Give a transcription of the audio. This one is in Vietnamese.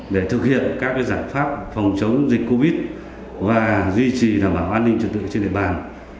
để thực hiện các giải pháp phòng chống dịch covid và duy trì đảm bảo an ninh trật tự trên địa bàn